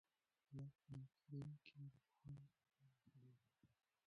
الله تعالی په قرآن کې د پوهانو ستاینه کړې ده.